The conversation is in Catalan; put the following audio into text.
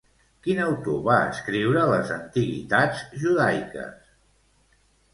Quin autor va escriure les Antiguitats judaiques?